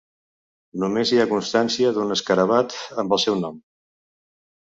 Només hi ha constància d'un escarabat amb el seu nom.